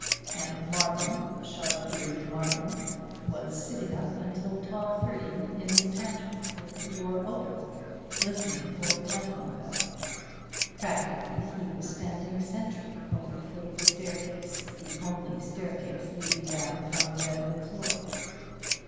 _ And Martin, the sharp eared Martin, was sitting up until twelve thirty in his pantry, with the door open, listening for the telephone bell. Practically he was standing sentry over the foot of the staircase, the only staircase leading down from the bedroom floor.